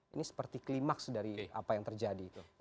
ini seperti klimaks dari apa yang terjadi